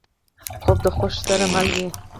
خوب د خوښۍ سره مل وي